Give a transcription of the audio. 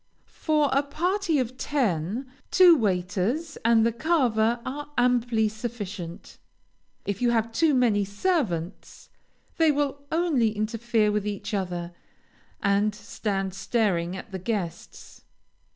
For a party of ten, two waiters, and the carver, are amply sufficient. If you have too many servants, they will only interfere with each other, and stand staring at the guests.